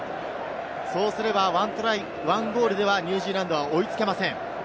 そうすれば、１トライ、１ゴールではニュージーランドは追いつけません。